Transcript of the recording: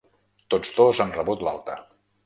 Tots dos han rebut l’alta.